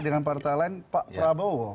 dengan partai lain pak prabowo